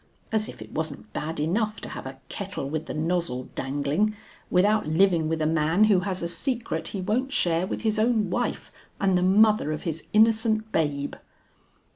As if it wasn't bad enough to have a kettle with the nozzle dangling, without living with a man who has a secret he won't share with his own wife and the mother of his innocent babe."